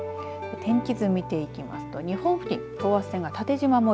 天気図見ていきますと日本付近等圧線縦じま模様